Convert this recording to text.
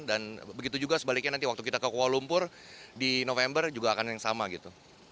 dan begitu juga sebaliknya nanti waktu kita ke kuala lumpur di november juga akan yang sama gitu